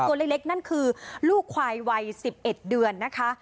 ตัวเล็กนั่นคือลูกควายวัย๑๑เดือนนะคะ